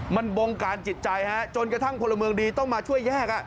มันบงการจิตใจจนกระทั่งพลเมืองดีต้องมาช่วยแยก